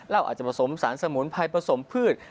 อาจจะผสมสารสมุนไพรผสมพืช